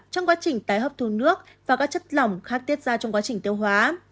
trong quá trình tái hấp thu nước và các chất lỏng khác tiết ra trong quá trình tiêu hóa